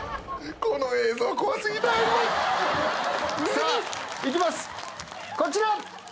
さあいきますこちら！